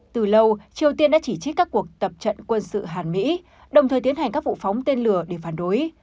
từ lâu triều tiên đã chỉ trích các cuộc tập trận quân sự hàn mỹ đồng thời tiến hành các vụ phóng tên lửa để phản đối